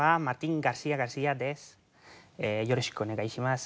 よろしくお願いします。